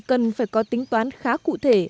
cần phải có tính toán khá cụ thể